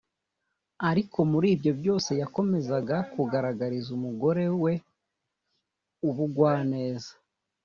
Ariko muri ibyo byose yakomezaga kugaragariza umugore we ubugwaneza.